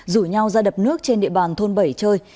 rủ nhau ra đập nước trên địa bàn thôn bảy chơi